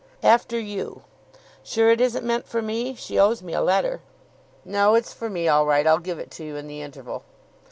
"After you. Sure it isn't meant for me? She owes me a letter." "No, it's for me all right. I'll give it you in the interval."